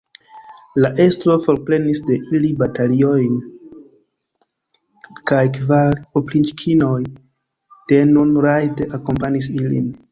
La estro forprenis de ili batalilojn, kaj kvar opriĉnikoj denun rajde akompanis ilin.